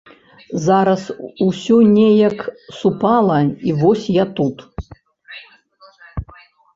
Зараз усё неяк супала і вось я тут.